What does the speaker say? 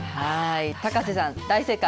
高瀬さん、大正解。